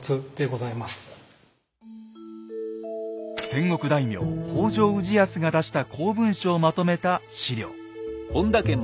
戦国大名北条氏康が出した公文書をまとめた史料。